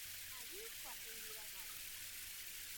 Allí fue ascendido a cabo.